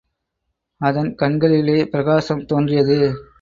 அதன் கண்களிலே பிரகாசம் தோன்றியது.